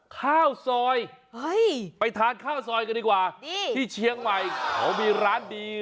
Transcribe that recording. ข้าวซอยไปทานข้าวซอยกันดีกว่านี่ที่เชียงใหม่เขามีร้านดี